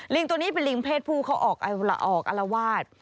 ตัวนี้เป็นลิงเพศผู้เขาออกอารวาส